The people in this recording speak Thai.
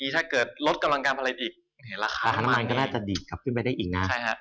ถ้าเกิดลดกำลังการผลิตอีกราคาน้ำมันก็น่าจะดีดกลับขึ้นไปได้อีกนะ